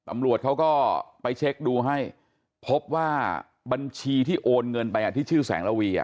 ตำรวจเขาก็ไปเช็คดูให้พบว่าบัญชีที่โอนเงินไปที่ชื่อแสงระวี